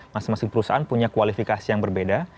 masing masing perusahaan punya kualifikasi yang berbeda